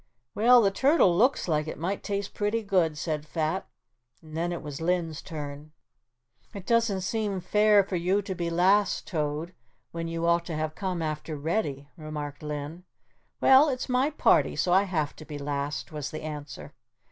"Well, the turtle looks like it might taste pretty good," said Fat, and then it was Linn's turn. "It doesn't seem fair for you to be last, Toad, when you ought to have come after Reddy," remarked Linn. "Oh, well, it's my party, so I have to be last," was the answer.